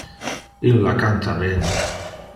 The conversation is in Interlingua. Illa canta ben.